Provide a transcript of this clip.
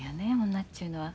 女っちゅうのは。